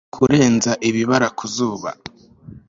Kurenza ibibara ku zuba